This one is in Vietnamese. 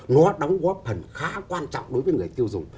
nó đóng góp phần khá quan trọng đối với người tiêu dùng